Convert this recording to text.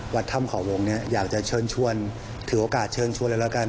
วัดถ้ำเขาวงเนี่ยอยากจะเชิญชวนถือโอกาสเชิญชวนเลยแล้วกัน